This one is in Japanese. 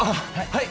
はい。